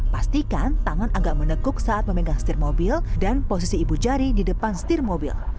pastikan tangan agak menekuk saat memegang setir mobil dan posisi ibu jari di depan setir mobil